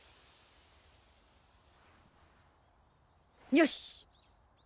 よし！